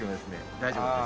大丈夫です。